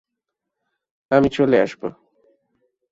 আমি চলে আসবো।